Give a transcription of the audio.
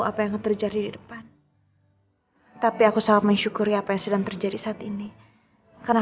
apa yang terjadi di depan tapi aku sangat mensyukuri apa yang sedang terjadi saat ini karena